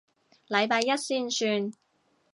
禮拜一先算